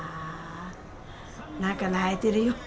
何か泣いてるよ。